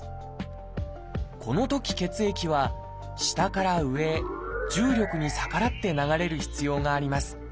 このとき血液は下から上へ重力に逆らって流れる必要があります。